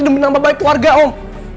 demi nama baik warga om